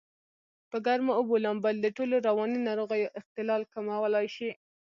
په ګرمو اوبو لامبل دټولو رواني ناروغیو اختلال کمولای شي.